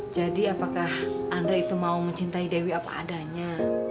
jadi apakah andre itu mau mencintai dewi apa adanya